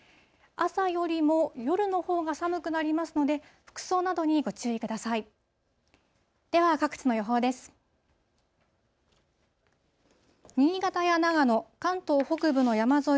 朝よりも夜のほうが寒くなりますので、服装などにご注意ください。